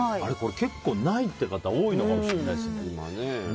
結構ないって方多いのかもしれないですね。